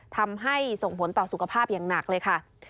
ทำให้ส่งผลต่อสุขภาพอย่างหนักเลยค่ะ